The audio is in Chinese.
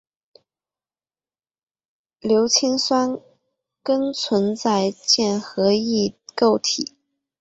硫氰酸根存在键合异构体。